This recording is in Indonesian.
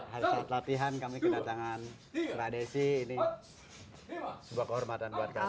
pada saat latihan kami kedatangan tradisi ini sebuah kehormatan buat kami